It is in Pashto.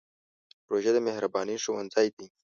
روژه د مهربانۍ ښوونځی دی.